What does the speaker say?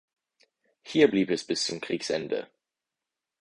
Hier blieb es bis zum Kriegsende.